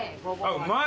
うまい！